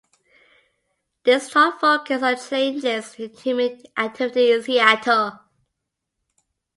This talk focused on changes in human activity in Seattle.